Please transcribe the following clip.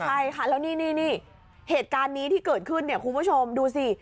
ใช่ค่ะแล้วนี่เหตุการณ์นี้ที่เกิดขึ้นเนี่ยคุณผู้ชมดูสิ